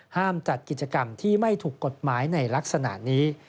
จัดกิจกรรมที่ไม่ถูกกฎหมายในลักษณะนี้